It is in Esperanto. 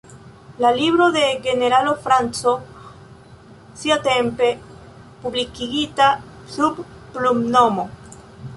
La libro de generalo Franco, siatempe publikigita sub plumnomo.